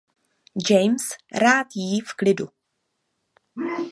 James rád jí v klidu.